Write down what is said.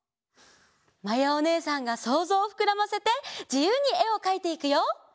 まやおねえさんがそうぞうをふくらませてじゆうにえをかいていくよ！